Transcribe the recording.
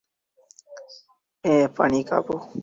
হ্যাঁ, পানি খাবো।